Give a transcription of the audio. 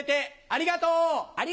ありがとう。